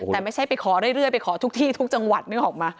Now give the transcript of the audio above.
แต่ไม่ใช่ไปขอเรื่อยไปขอทุกที่ทุกจังหวัดนึกออกมา